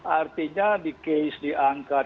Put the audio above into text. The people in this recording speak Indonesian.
artinya di case diangkat